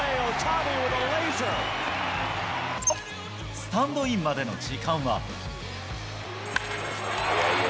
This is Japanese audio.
スタンドインまでの時間は。